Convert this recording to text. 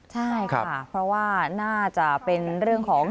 ใช่ค่ะเพราะว่าน่าจะเป็นเรื่องของ